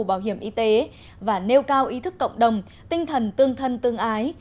bảo hiểm y tế và nêu cao ý thức cộng đồng tinh thần tương thân tương ái